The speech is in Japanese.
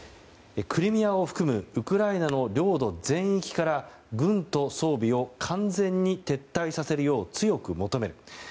クリミアを含むウクライナの領土全域から軍と装備を完全に撤退させるよう強く求める。